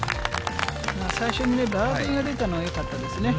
最初にバーディーが出たのがよかったですね。